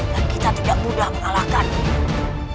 dan kita tidak mudah mengalahkannya